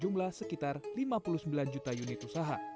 jumlah sekitar lima puluh sembilan juta unit usaha